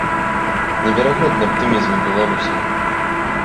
Неверагодны аптымізм у беларусаў.